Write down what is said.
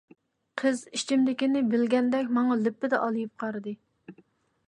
قىز ئىچىمدىكىنى بىلگەندەك ماڭا لەپپىدە ئالىيىپ قارىدى.